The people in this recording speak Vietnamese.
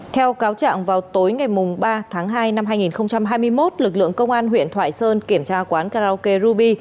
theo cáo trạng vào tối ngày ba tháng hai năm hai nghìn hai mươi một lực lượng công an huyện thoại sơn kiểm tra quán karaoke ruby